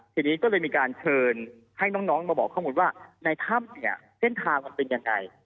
ทีนี้ก็เลยมีการเชิญให้น้องมาบอกข้อมูลว่าในถ้ำเนี่ยเส้นทางมันเป็นยังไง